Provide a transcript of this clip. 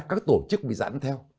các tổ chức bị giãn theo